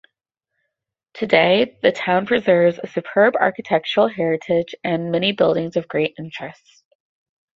Today, the town preserves a superb architectural heritage and many buildings of great interest.